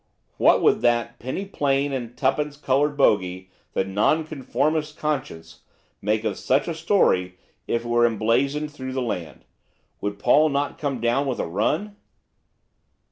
What would that penny plain and twopence coloured bogey, the Nonconformist Conscience, make of such a story if it were blazoned through the land. Would Paul not come down with a run?